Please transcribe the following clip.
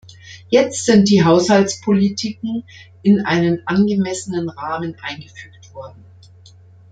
Jetzt sind die Haushaltspolitiken in einen angemessenen Rahmen eingefügt worden.